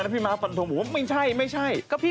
พี่ม้าพันโธออกว่ามันไม่ใช่